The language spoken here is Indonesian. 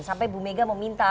sampai ibu mega meminta